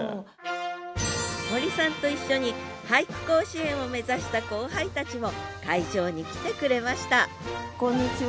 森さんと一緒に俳句甲子園を目指した後輩たちも会場に来てくれましたこんにちは。